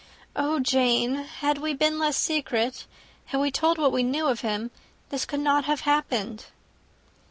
"Oh, Jane, had we been less secret, had we told what we knew of him, this could not have happened!"